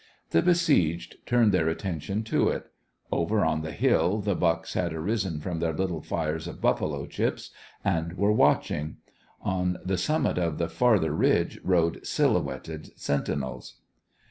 The besieged turned their attention to it. Over on the hill the bucks had arisen from their little fires of buffalo chips, and were watching. On the summit of the farther ridge rode silhouetted sentinels.